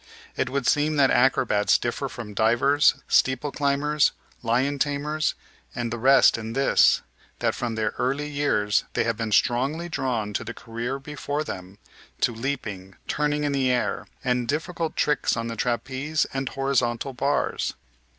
It would seem that acrobats differ from divers, steeple climbers, lion tamers, and the rest in this, that from their early years they have been strongly drawn to the career before them, to leaping, turning in the air, and difficult tricks on the trapeze and horizontal bars.